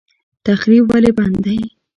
تخریب ولې بد دی؟